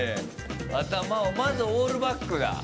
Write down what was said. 頭を、まずオールバックだ。